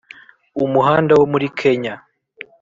umuhanda wo muri kenya